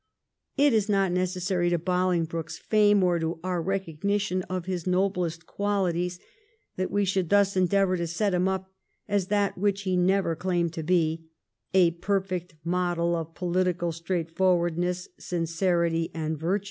It is not necessary to Bolingbroke's fame or to our recognition of his noblest qualities that we should thus endeavour to set him up as that which he never claimed to be — a perfect model of political straightforwardness, sincerity, and virtue.